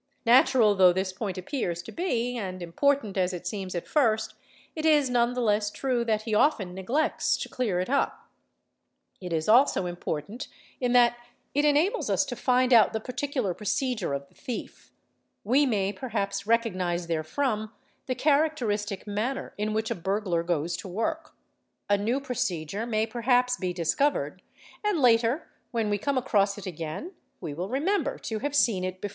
Natural though this point appears to be and important as it seems at first, it is none the less true that he often neglects to clear it up; it is also important in that it enables us to find out the particular procedure of the thiet; we may perhaps recognise therefrom the cha _ racteristic manner in which a burglar goes to work, a new procedure may perhaps be discovered, and later, when we come across it again, we will remember to have seen it before.